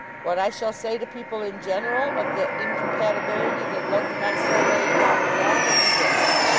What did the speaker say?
What I shall say to people in general, of the incompatibility that led to my so laying down the law, will be this.